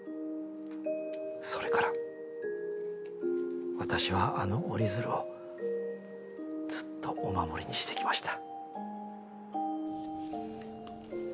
それから私はあの折り鶴をずっとお守りにしてきました。